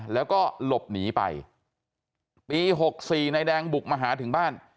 แล้วก็หลบหนีไปปี๖๔นายแดงบุกมาหาถึงบ้าน